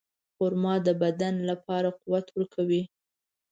خرما د بدن لپاره قوت ورکوي.